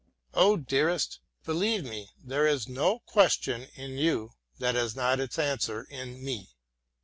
Oh, dearest! Believe me, there is no question in you that has not its answer in me.